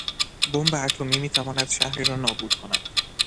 بمب اتمی میتواند شهری را نابود کند.